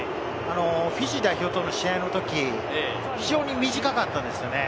フィジー代表との試合のとき非常に短かったんですよね。